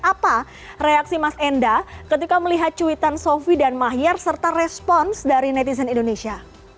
apa reaksi mas enda ketika melihat cuitan sofie dan mahyar serta respons dari netizen indonesia